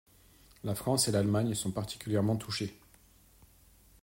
La France et l'Allemagne sont particulièrement touchées.